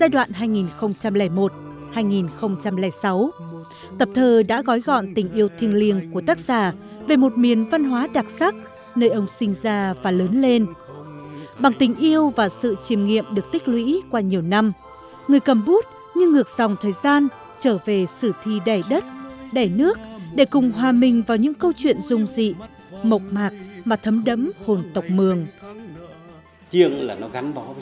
trong thời gian trở về sử thi đẻ đất người cầm bút như ngược dòng thời gian trở về sử thi đẻ đất đẻ nước để cùng hòa mình vào những câu chuyện rung dị mộc mạc mà thấm đấm hồn tộc mường